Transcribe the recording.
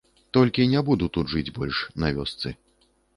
Толькі не буду тут жыць больш, на вёсцы.